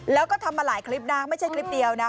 แล้วก็ทำมาหลายคลิปนะไม่ใช่คลิปเดียวนะ